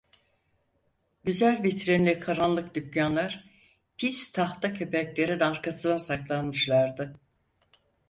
Güzel vitrinli karanlık dükkânlar pis tahta kepenklerin arkasına saklanmışlardı.